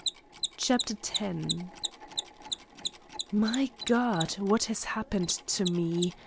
CHAPTER X My God! What has happened to me?